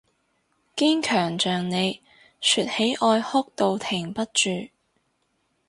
堅強像你，說起愛哭到停不住